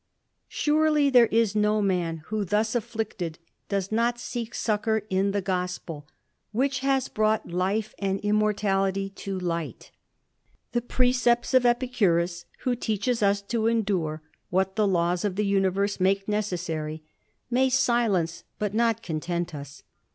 Surely there is no man who, thus afflicted, does not seek in the Gospel^ which has brought life and immortality Ught. The precepts of Epicurus, who teaches us to ^*idme what the laws of the universe make necessary, may sil€aoe but not content us.